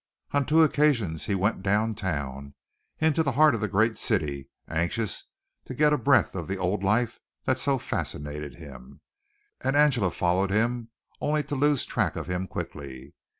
On two occasions he went downtown into the heart of the great city, anxious to get a breath of the old life that so fascinated him, and Angela followed him only to lose track of him quickly.